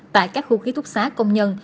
tại các khu khí thuốc xá công nhân